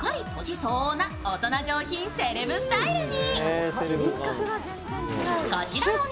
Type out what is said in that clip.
相応な大人上品セレブスタイルに。